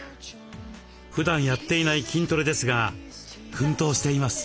ふだんやっていない筋トレですが奮闘しています。